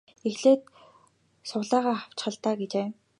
Эхлээд сугалаагаа авчих л даа гэжээ.